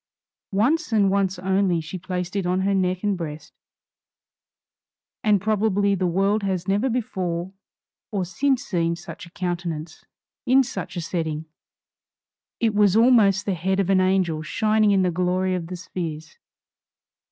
Once and once only she placed it on her neck and breast, and probably the world has never before or since seen such a countenance in such a setting. It was almost the head of an angel shining in the glory of the spheres.